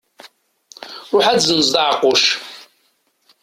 Ruḥ ad tezzenzeḍ aɛeqquc.